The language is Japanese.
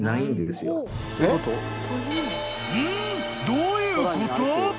どういうこと？］